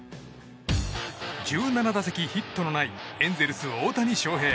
１７打席ヒットのないエンゼルス、大谷翔平。